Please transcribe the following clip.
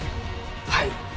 はい。